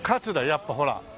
やっぱりほら。